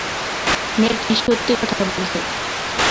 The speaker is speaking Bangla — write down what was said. মেয়েটা সত্যি কথা বলেছে।